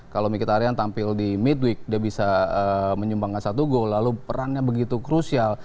kalau micharian tampil di midwig dia bisa menyumbangkan satu gol lalu perannya begitu krusial